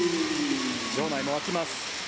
場内も沸きます。